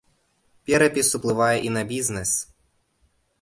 Перапіс уплывае і на бізнес.